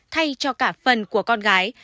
thay cho cả phần của con gái